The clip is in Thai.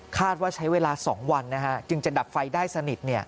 ว่าใช้เวลา๒วันจึงจะดับไฟได้สนิท